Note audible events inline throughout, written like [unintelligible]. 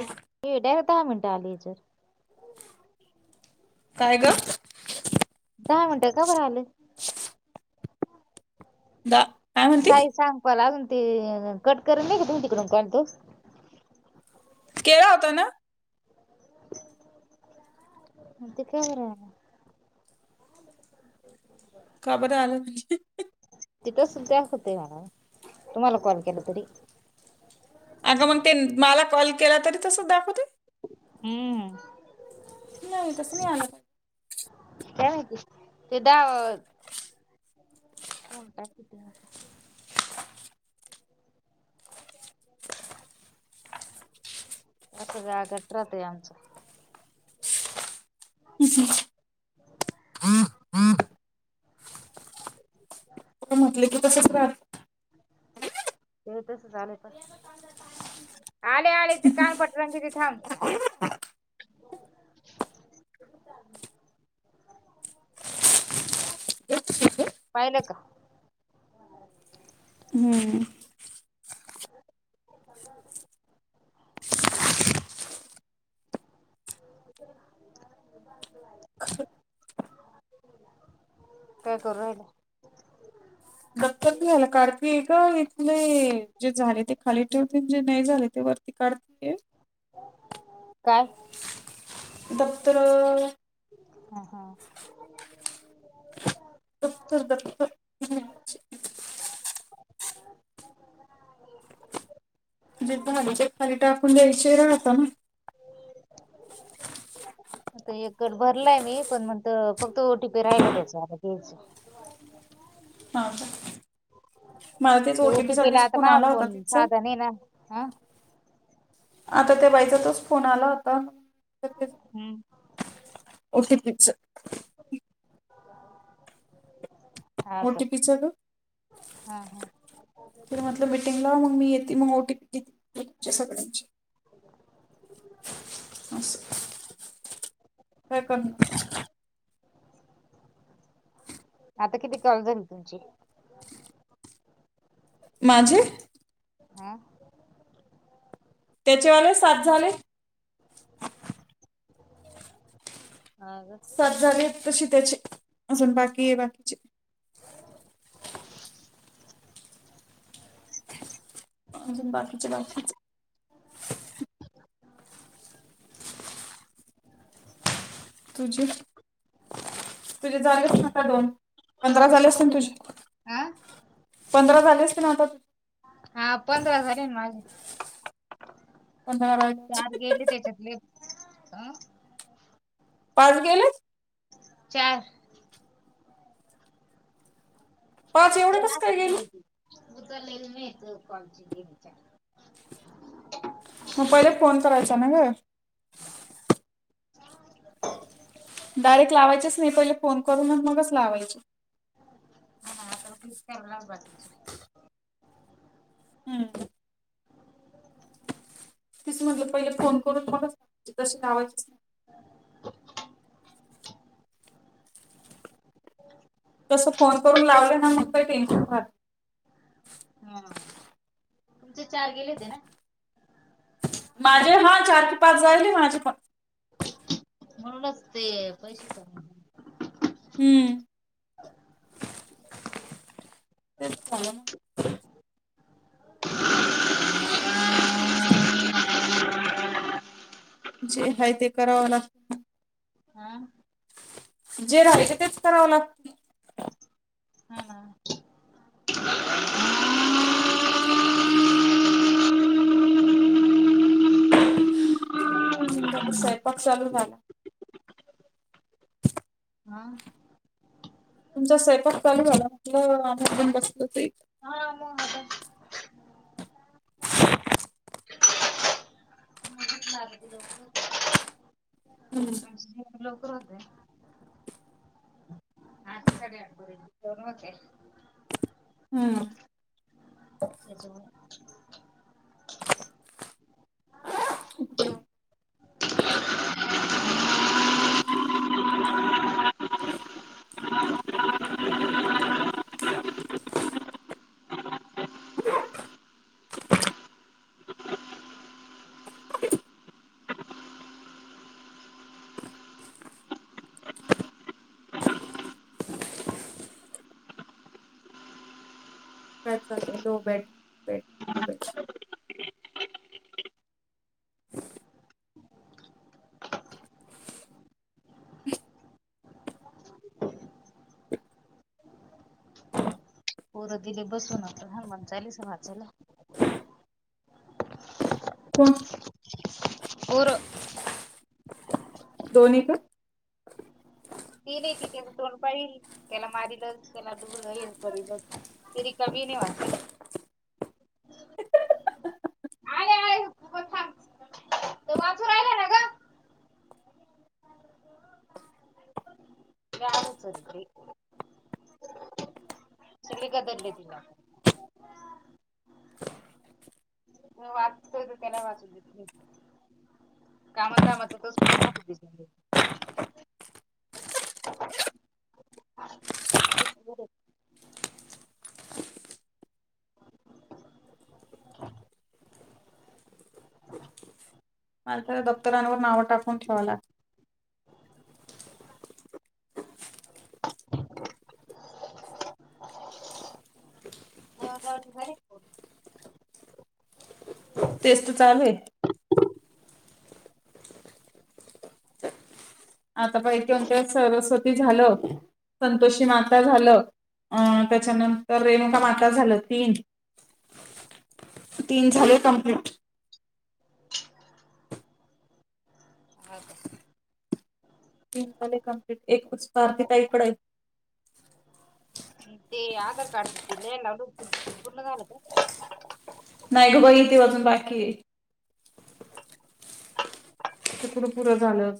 ह [inaudible] दहा मिनटं आलीजर काय ग दहा मिनटं का बर आलं द साईज सांग पैला अजून ते कट करत नाही का तुमच्याकडून काढतो केळा होता ना [inaudible] [unintelligible] खबर आल तिथंच दाखवते मला तुम्हाला कॉल केला तरी अग मग ते मला कॉल केला तरी तस दाखवते हम्म नाही तस नि आलं काय माहिती ते द [unintelligible] [inaudible] टाक [inaudible] असं जरा घट्ट राहतयं आमचं [unintelligible] [unintelligible] म्हटले की तसच रा ते तस आलंय पण आले आलेचे कानपट रंग थांब [inaudible] पाहिल का हम्म [inaudible] [inaudible] काय करू राहिला झा का का इथ नाही जे झाले ते खाली ठेवून जे नाही झाले ते वरती काढते ये काय दत हम हा दत्तर दत्त म्हणजे झाडीच्या पाली टाकून द्यायचे राहता ना [unintelligible] आता एककड भरलाय मी पण म्हणत फक्त ओटी पी राहिल त्याचच [unintelligible] ह मला तेच ते ओटीपी ओटीपीला साठीच आता फोन माझा आला होता तिचा साधा नाही ना हा आता त्या बाईचा तोच फोन आला होता हम्म ओ टी पी च हा ओ का टी पी च गं हा हा तीन म्हटलं मिटिंग ला मग मी येते ओ टी पी तुमच्या सगळ्यांची काय करणार [unintelligible] आता किती कॉल झाली तुमची माझे हा त्याच्यावाले सात झाले हा ग सातजणी तशी त्याचे. अजून बाकी बाकीचे. [inaudible] अजुन बाकीचे बाकीच. तुझे तुझे जागच नका दोन. पंधरा पाऊस झालेसते उघडले का? तुझे हा पंधरा झालेसते ना आता. हा पंधरा झाले माझे. पंधरा चार राहिले गेले त्याच्यातले अं. पाऊस गेलेच. चार. पाच एवढंकस काय गेले. उ तर नाहील नाही येत कोॉणची विच. मग पहिले फोन करायचा ना ग. डायरेक्ट लावायचेच नाही पहिले फोन करूनच मगच लावायचे. आ ना आतावला पाज. हम्म. तिच म्हटलं पहिले फोन करून मला सांग तशी लावाचीच नाही. तस फोन करून लावलं ना मग काही टेन्शन भ. हम तुमचे चार गेले होते ना. माझे हा चार की पाच जाईल माझे पण. म्हणूनच ते पैसे का. हम्म. तेच चालं ना. जे हाय ते कराव लागत. हा जे राले तेच करावं लागतील. हा ना सतत स्वयंपाक चालू झाला. हा तुमचा स्यपाक चालू झाला आपलं आण बसलं ते. हा मग आता कुठं लागते लवकर हम्. आमचे लवकर होते आठ साडेआठ पर्यंत होते हम्म. त्याच्यामुळे काय दो बेड बेड. पोर दिले बसवून आता हानुम्हण चालस वाचायला. कोण. होर. दोनी का. ती नाही त त्याचं तोंड पाळल त्याला मारीलच त्याला डुबलं हेल करल. तिर कभी नाही वाचला. आले आले उभं थांब. तो वाचू राहिला ना ग. सले. चिळीगादल तला. तो वाचतोय तर त्याला वाचू देत नाय. कामाधामाच तोच मार खातो. [unintelligible] [unintelligible] दप्तरांवर नावं टाकून ठेवाला. आहेत. तेच तर चालू आहे. आता सरस्वती झालं संतोषी माता झालं. अं त्याच्यानंतर रेणुका माता झालं तीन. तीन झाले कंप्लीट. हा का तीन झाले कमप्लीट एकच स्वाती ताई कड आहे. ते आधार कार्डच ते लिहायला लावलं होतं ते पूर्ण झालं का? नाही ग बघ इथे आजून बाकी आहे. ते कुठं पुरं झालं.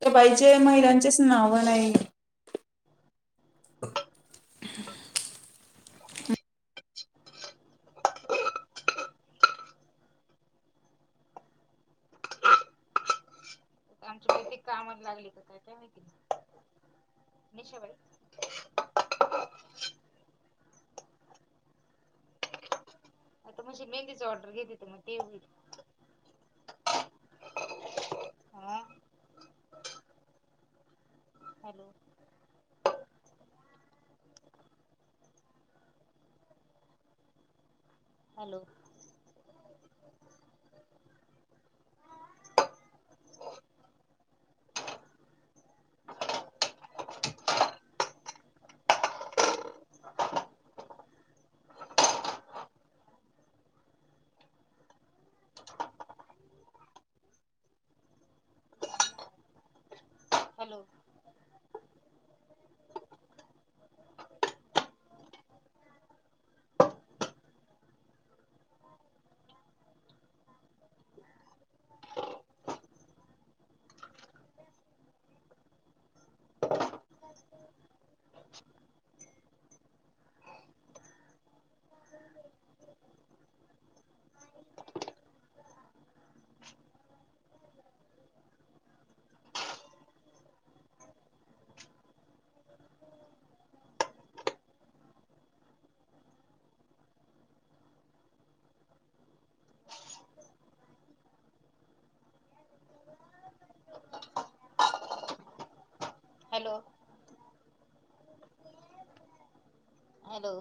त्या बायचे महिलांचेच नाव आहे. काम लागले का काय काय माहिती निशबाई म्हणजी मेहंदिची ऑर्डर घेत तर मग ते होई हा hello hello hello [unintelligible] hello hello